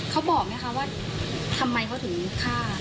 เขาบอกไหมคะว่าทำไมเขาถึงฆ่า